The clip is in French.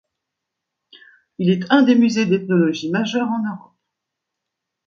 Il est un des musées d’ethnologie majeurs en Europe.